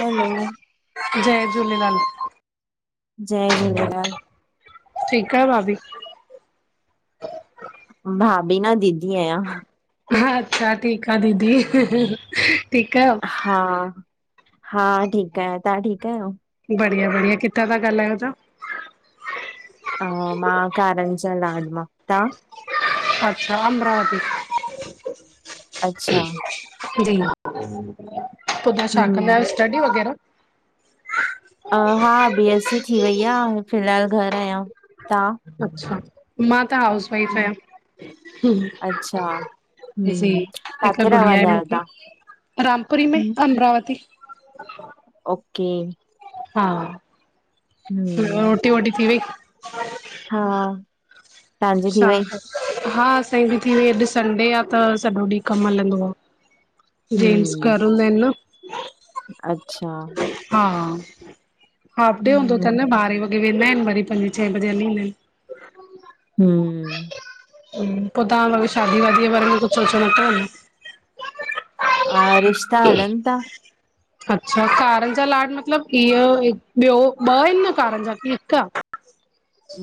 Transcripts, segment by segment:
Hello जय झूलेलाल। जय झूलेलाल। ठीक आह्यो भाभी? भाभी न दीदी आहियां। हा अच्छा ठीक आह दीदी ठीक आयो? हा, हा ठीक आहियां। तव्हां ठीक आहियो? बढ़िया बढ़िया किथां ता गालायो तहां? हा मां कारन जा लाड मां। तव्हां? अच्छा अमरावती। अच्छा। जी पो तव्हां छा कंदा हम्म, आहियो स्टडी वग़ैरह। हा बीएस सी थी वई आहे। फिलहाल घर आहियां। तव्हां? अच्छा मां त हाउस वाइफ हम्म आहियां। अच्छा, जी हम्म, हिकु काथे गुड़िया रहंदा आहे आहियो मूंखे। तव्हां? रामपुरी में हम्म, अमरावती अचछा [inaudible] ओके [inaudible] हा हम्म, रोटी वोटी थी वई? हा तव्हांजी थी वई? छाह हा असांजी बि थी वई। अॼु संडे आहे त सॼो ॾींहुं कम हलंदो आहे। जेंन्टस हम्म, घर हूंदा आहिनि न। अच्छा। हा, हाफडे हूंदो हम्म, त न बारे वगें। हे वेंदा आहिन वरी पंजे छहे बजे हलींदा आहिन। हूं हूं पोइ तव्हां भई शादी वादीअ जे बारे में कुछ सोचयो नथव अना। हा रिश्ता हलन ता। अच्छा कार जा लाड मतलब इअ ॿियो ॿ आहिनि न कार जा की हिक आहे।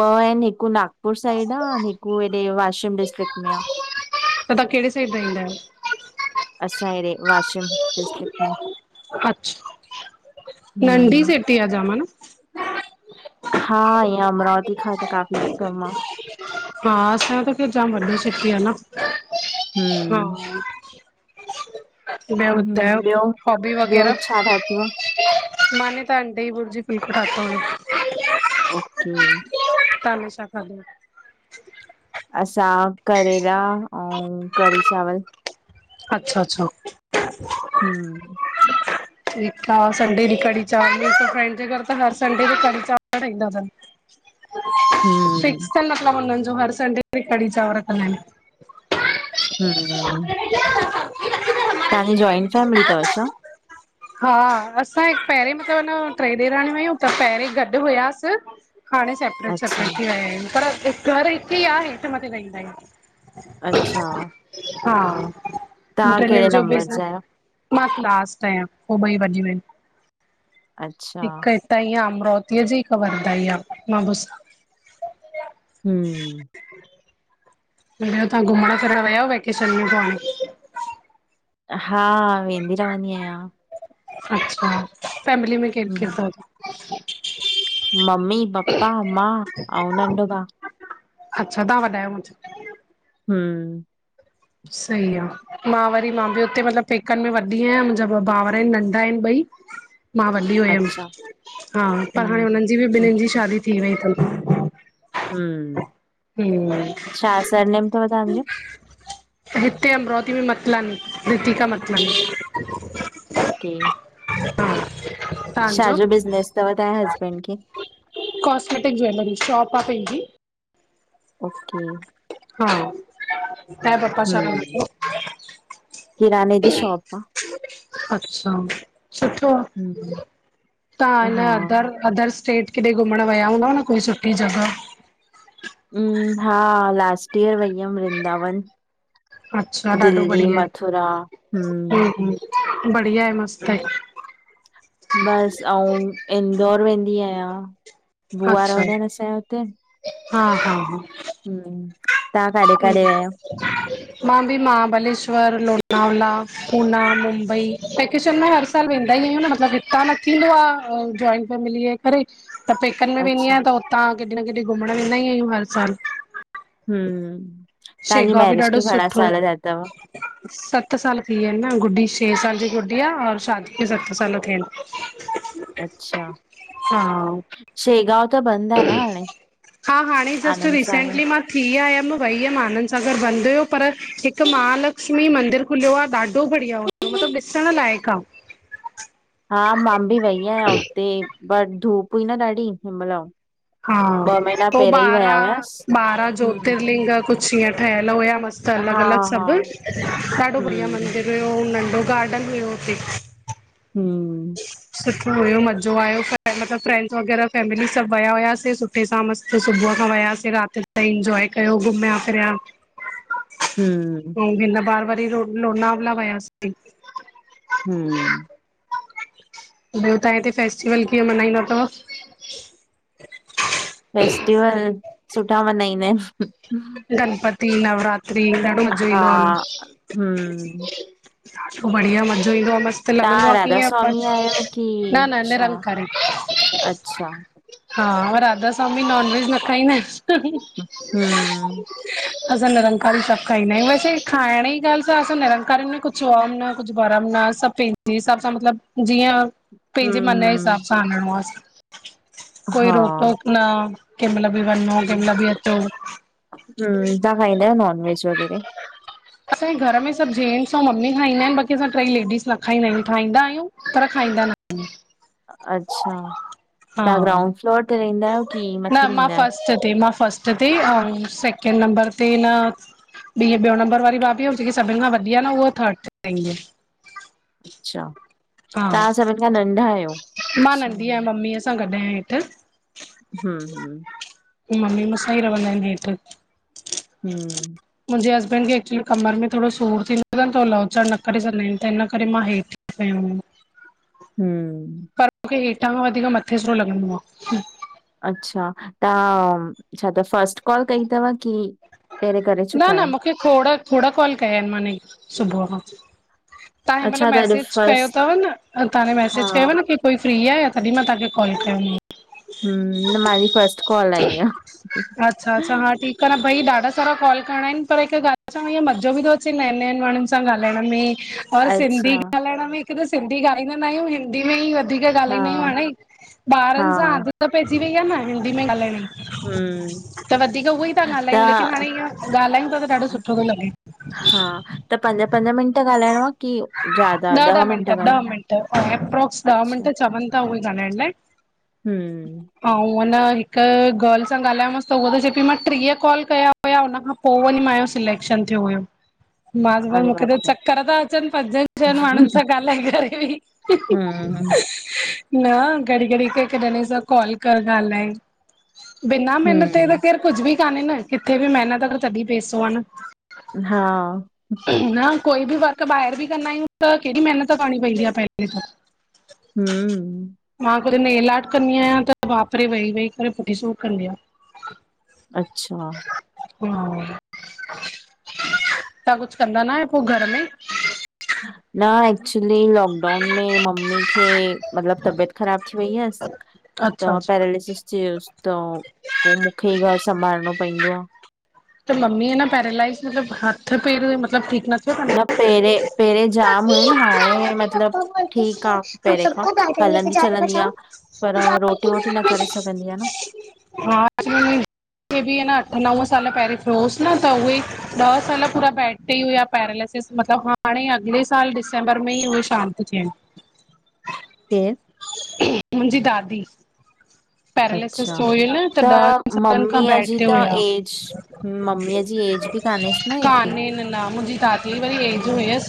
ॿ आहिनि हिक नागपुर साइड आहे अ हिक हेॾे वाशिम डिस्ट्रिक्ट में आहे। त तव्हां कहिड़े साइड रहिंदा आहियो? असां [inaudible] हिड़े वश अच्छा नंडी हम्म सीटी आहे जाम न? ह [inaudible] हा इय अमरावती खां त काफ़ी कम आ हा असां जी त खैर जाम वॾी सिटी आहे न। हूं ॿयो ॿुधायो हॉबी ॿियो वग़ैरह। छा ठातो आ? मानीे त अंडे जी भुरजी बिल्कुल नथो वणे। ओके तालू छाा खाध [inaudible] असां करेला अऊं कढ़ी चांवर। अच्छा -अच्छा। हम्म [unintelligible] संडे जी कढ़ी चांवर मुंहिंजे फ्रेंड जे घर त हर संडे जी कढ़ी चांवर ठहींदा थन हम्म फिक्स तन मतलब उन्हनि हर संडे ते कढी चांवर कंदा आहिन हम्म तव्हांजी जॉइंट फैमिली तव छा? हा, असां ही पहिर मतब टे ॾेराणियूं हुयूं त पहिरीं गॾु हुयासि हाणे सेपरेट अच्छा सेपरेट थी वहिया आहियूं। पर घर हिकु ई आहे। हेठ मथे रहिंदायूं। अच्छा हा [inaudible] तव्हां ट कहिड़े जो बि नंबर जा आहियो? मां लास्ट आहियां उ ॿई वॾियू आहिनि अच्छा हिक हितां ई आ। प्रोतीअ जी ई हिकु [unintelligible] ई आहे मां [unintelligible] हम्म [unintelligible] तव्हां घुमण फिरण वयव वैकेशन में ताण हा, वेंदी रहंदी आहियां अच्छा, फैमिली में केर केर हम्म तव मम्मी, पपा, मां ऐं नंढो भा। अच्छा, तव्हां वॾा आयो [unintelligible] हम्म सही आ, मां वरी मां बि हुते मतलबु पेकनि में वॾी आहियां मुंहिंजा ॿ भाउर आहिनि नंढा आहिनि ॿई [inaudible] मां वॾी हुयमि अच्छा हा पर हाणे हम्म, हुननि जी बि हम्म, ॿिन्हनि जी शादी थी वई अथनि हम्म, हम्म छा सरनेम तव तांजो? हिते अमरावती में मतलानि रितिका मतलानि ओके [inaudible] छाजो बिज़नेस अथव तव्हांजे हसबैंड खे कॉसमेटिक ज्वेलरी, शॉप आ पंहिंजी ओके हा तांया पपा छा कदां हम्म, थव? किराने जी शॉप आहे? [unintelligible] अच्छा, सुठो आ हम्म, तव्हां हिन हा, अदर अदरस सेट किथे घुमण विया हूंदव न कोई सुठी जॻह हम्म, हा लास्ट ईयर वई हुअयमि वृन्ंदावन अच्छा ॾाढो दिल्ली, बढ़िया आहे मथुरा हम्म [unintelligible] मस्तु आहे बस, अउं इंदौर वेंदी आहियां बुआ अच्छा रहंदा आहिन असां हुते हा हा हम्म, तव्हां काॾे हा काॾे विया आहियो? मां बि महाबलेश्वर, लोना उल्हास, पूना, मुंबई वेकेशन में हर सालु वेंदा ई आहियूं न मतलब हितां न थींदो आ जॉइंट फैमिली आहे करे त पेकनि में वेंदी आहियां अच्छा त हुतां केॾे न केॾे घुमणु वेंदा ई आहियूं हर साल हम्म तव्हांजी शेगवा बि मैरिज खे ॾाढो घणा सुठो साल थिया अथव? सत साल थी विया आहिनि न गुड्डी छह साल जी गुडिया और शादी में सत साल थिया आहिन अच्छा, हा शेगांव त बंदि आहे न हाणे, हा हाणे जस्ट आनंद सागर? रिसेंटली मां थी आयम मां वई हुयम आनंद सां घर बंदि हुओ पर हिकु महालक्ष्मी मंदिर खुलियो आहे ॾाढो बढ़िया हो मतलब ॾिसण लायक आ हा, मां बि वई आयां उते बट धूप हुई न ॾाढी हुन महल हा, पो ॿारहां हुआसि, ॿारहां हम्म, ज्योतिर्लिंग कुछ हीअं ठहियल हुया मस्त हा, अलग अलग हा। सभु, ॾाढो बढ़िया हम्म, मंदर हुयो नंढो गार्डन हुयो हुते हमम सुठो हुयो मज़ो आयो मतलबु फ्रैंड्स वग़ैरह फैमिली सभु विया हुयाआसीं सुठे सां मस्त सुबुह खां वयासीं राति ताई इंजॉय कयो घुमिया फिरया हम्म, ह हिन न बार वरी रो लोनावाल वयासी हम्म, ॿियो तव्हां हिते फेस्टिवल कीअं मनाइंदा तव? फेस्टिवल सुठा मनाईंदा आहिन गणपति नवरात्रि ॾाड़ो मज़ो हा, ईंदोआ उनन हम्म, में बढ़िया मज़ो ईंदो आ मस्त तव्हां लंॻंदो राधा कीअं स्वामी आहियो की न न छा? निरंकारी अच्छा, हा राधा सवामी नॉन वेज न खाईं दा आहेन? हुं असां निरंकारी सभु खाईंदा आहियूं, वैसे खाइण जी ॻाल्हि सां असां निरंकारी में कुछ वहम न कुछ बर्म न न सभ पहिन्जे हिसाब सां मतलब जीअं पंहिंजे हम्म, मन जे हम्म। हिसाब सां हलणो असाखें, कोई हा रोक टोक न केमल बी वन्यो केमल बी अचो। हुं तां खाईंदा आहियो नॉन वेज वग़ैरह असांजे घर में सभ जेंट्स ऐं मम्मी खाईंदा आहेन बाकि असां टॄई लेडीस न खाईंदा आहियूं ठाइंदा आहियूं पर खा खाईंदा न आहियूं अच्छा तव्हां हा ग्राउंड फ्लोर ते रहंदा आहियो कि न मथे मां रहंदा आहियो? फस्ट ते मां फस्ट ते ऐं सेकेंड नंबर ते न इअं ॿियो नंबर वारी भाभी आहे जेकी सभिनि खां वधी न उहा थर्ड ते रहंदी आ अच्छा तव्हां सभिनि खां नंढा आहियो, आहे अच्छा ह हूं हूं मम्मी मुसां ही रवदां आहिन हेठ। हूं मुंहिंजे हस्बैंड खे एक्चुली कमर में थोरो सूर थींदो अथ त लौचढ न करे सघंदा आहि आहिनि त हिन करे मां हेठि खयों हो [inaudible] हूं पर मूंखे हेठां खां वधीक मथे सुठो लॻंदो आ अच्छा तव्हां छा त फस्ट कॉल कई तव की पहिरे करे न चुका न आहियो? मूंखे खोड़ खोड़ कॉल कया आहिनि माने सुबुह खां। तव्हां हिन महिल अच्छा त अॼु मैसेज कयो फस्ट अथव न तव्हां हा, मैसेज कयो न की कोई फ्री आहे तॾहिं मां तव्हांखे कॉल कयो हूं मुंहिंजी फस्ट कॉल आई आ अच्छा अच्छा हा ठीकु आहे न भई ॾाढा सारा कॉल करिणा आहिनि पर हिकु ॻाल्हि च्वें पर ईअं मज़ो बि थो अचे नए नएंनि माण्हुनि सां ॻाल्हाइण में और अच्छा, सिंधी ॻाल्हाइण में हिकु त सिंधी ॻालहाईंदा न आहियूं हिंदी में ई वधीक हा ॻाल्हाईंदा आहियूं हाणे हा, ॿारनि सां आदत पइजी वई आ न हिंदी में ॻाल्हाइण ई हम्म, त वधीक उहो ई था ॻाल्हायूं लेकिन हाणे त इअं ॻाल्हायूं था त ॾाढो सुठो थो लॻे हा त पंज पंज मिंट ॻाल्हाइणो आहे की ज्यादा ॾह ॾह मिंट मि्टट ॻाल्हि ॾह मिनट एप्रोक्स ॾह मिनट चवन था उहे ॻालहाइण लाइ हुं पोइ न हिक गर्ल सां ॻाल्हायोांसि त उहा त चएई पई मां टीह कॉल कया हुया हुन खां पोइ पोइ वरी मुंहिंजो सिलेक्शन थियो हुयो मां चयो मास अरे मूंखे बाप त रे चक्कर था अचनि पंज छहनि माण्हुनि सां ॻाल्हाए करे ही हू न घड़ी घड़ी करे हिक हिक ॼणे सां कॉल कर ॻाल्हाए बिना मेहनत त हम्म केर कुझ बि कान्हे न किथे बि महिनत अगर तॾहिं पेसो आ न हा न कोई बि वर्क ॿाहिरि बि कंदा आहियूं त कहिड़ेॾी महिनत करणी पवंदी आहे पहिरियों त हूं मां नेल आर्ट कंदी आहियां त बापरे वेही वेही करे पुठी सूर कदीं आ। अच्छा हा तव्हां कुछ कंदा न आयो पो घर में? न एक्चली लॉकडाउन में मम्मी खे मतलब तबीयत ख़राब थी वई हुयस अच्छा त अच्छा पैरालिसिस थी वुसि त पोइ मूंखे घर संभालणो पइंदो आह। त ममी हे न पैरालाइज़ मतलब हथ पैर मतलब ठीक न तस। न पहिरें पहिरें जाम हुयन हाणे मतलब ठीक अथन? आहे हम पहिरें खां। सबको गार्डन लेके हलंदी जा रहे चलंदी बताओ। आहे पर रोटी वोटी न करे सघंदी आहे न। [unintelligible] ह्च अठ न थियोस न त उहे ॾह साल पूरा बैड तेही हुया। पैरालिसिस मतलब हाणे अॻले साल दिसंबर में ई उहे शांत थी आहिन। केरु मुंहिंजी दादी। पैरालिसिस अच्छा, थ्यो हुयन त ॾहनि सालिन खां मम्मीअ बेड जी ते त हुया। एज मम्मीअ जी एज बि कान्हेसि न एतिरी? कान्हन न। मुंहिंजी दादी जी वरी एज हम्म, हुयस।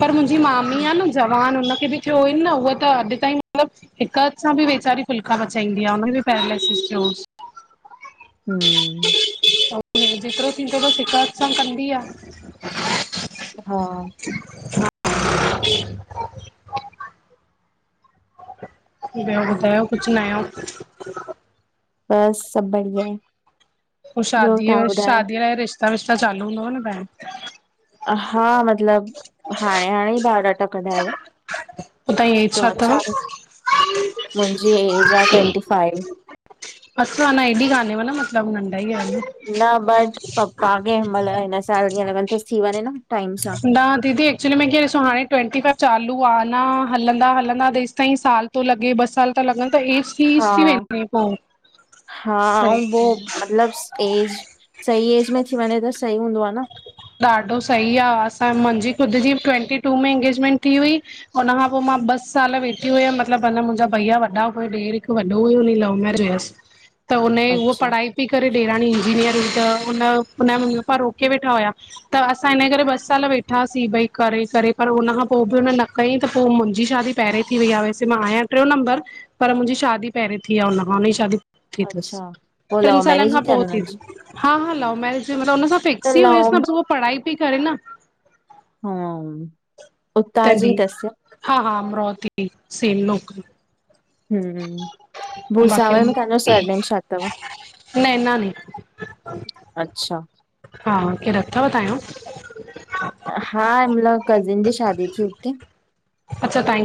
पर मुंहिंजी मामी आहे न हम्म जवान हुनखे बि थियो हुईन न उह त अॼु ताईं मतलब हिक हथ सां बि वेचारी फुल्का पचाईंदी आहे। हुन खे बि पैरालिसिस थियो। ह [inaudible] हूं जेतरो थींदो तस हिक हथ सां कंदी आहे। हा [inaudible] ॿियो ॿुधायो कुछ नयो। बस सब बढ़िया। पो ॿियो शादीअ तव्हां ॿुधायो? शादीअ लाइ रिश्ता विश्ता चालू हूंदव न ॿाहेर। हा मतलब हाणे हाणे ई ॿायोॾाटा कडायो आ। तवांजी एज छा तव? मुंहिंजी ऐज आहे ट्वंटी फाइव। बस अना हेॾी काने व न मतलब। न बट पप्पा खे हिंन मल हिन साल हिय लगल तस हिन साल थी वञे न। टाइम सां। न दीदी एक्चुली में कियं ॾिसो हाणे ट्वटी फाइव चालू आहे न हलंदा -हलंदा तेस ताईं साल तो लॻे ॿ साल त लॻन। त एसी हा, ईएसी वेंे पोइ [unintelligible] हा ऐं पो सही मतलब एज सही एज में थी वञे त सुठो। सही हूंदो आह न। ॾाढो सही आह। असां मुंहिंजी ख़ुदि जी ट्वेंटी टू में इंगेजमेंट थी हुई। हुन खां पो मां मां बस साल वेठी हुयम। मतलब मुंहिंजा भईया वॾा हुया। हिक ॾेर वॾो हुयो हुन जी लव मैरज हुयस। त हुनजी हुअ अच्छा। पढ़ाई पई करे। ॾेराणी इंजीनियर हुई। त हुनन हुनन जा मम्मी पप्पा रोके वेठा हुया। त असां हिन करे ॿ साल वेठासीं। भई करे -करे पर हुनखा पोइ बि हुन न कईं त पोइ मुंहिंजो मुंहिंजी शादी पहिरियोें थी वई आहे। वैसे मां आहियां टियो नंबर पर मुंहिंजी शादी पहिरें थी आ हुनन खां। हुनजी शादी अच्छा पोइ ट्रिन लव सालनि मैरिज ई खां थियनि पोइ थी। हुननि जी हा हा लव मैरिज मतलब हुन सां त फिक्स ई हुयस। लव हो पढ़ाई ती करे न। हम्म उतां जी तॾहिं अथसि हा हा अमरावती [unintelligible] सेनोक हम्म बाक़ी भुसावल में तव्हांजो [unintelligible] सरनेम छा अथव न नैनानी। अच्छा हा केर अथव तव्हां जो। हा मतलब कजिंन जी शादी थी हुते।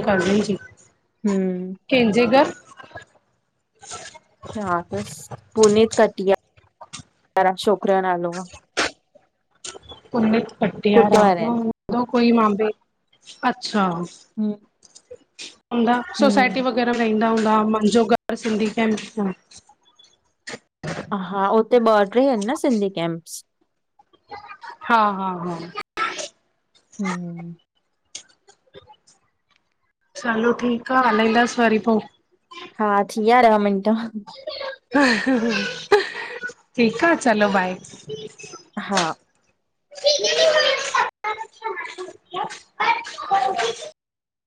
कजिंन जी, हम्म कहिंजेे घर? छा तस पूनत कटिया। छोकरे जो नालो आह। पुनित पटिया कुटे राम वारा आहिनि [unintelligible] उो कोई मे अच्छा हम्म हूंदा सोसाइटी हम्म वग़ैरह में ईंदा हूंदा हा मुंहिंजो घर सिंधी कैंप में आ। हा हुते ॿ टे आहिन न सिंधी कैंप्स। हा हा हा हम चलो ठीकु आहे हलाईंदासि वरी पोइ हा थी विया ॾह मिंट ठीकु आहे चलो बाए हा [inaudible]